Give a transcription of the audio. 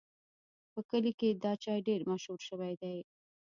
په کلي کې دا چای ډېر مشهور شوی دی.